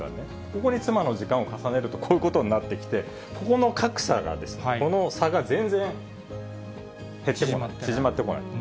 ここに妻の時間を重ねるとこういうことになってきて、ここの格差がですね、この差が全然減ってこない、縮まってこない。